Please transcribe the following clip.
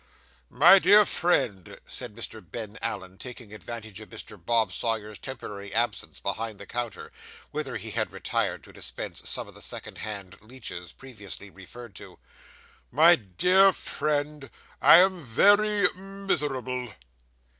'My dear friend,' said Mr. Ben Allen, taking advantage of Mr. Bob Sawyer's temporary absence behind the counter, whither he had retired to dispense some of the second hand leeches, previously referred to; 'my dear friend, I am very miserable.